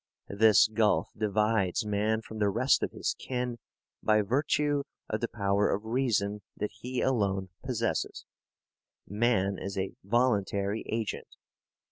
This gulf divides man from the rest of his kin by virtue of the power of reason that he alone possesses. Man is a voluntary agent.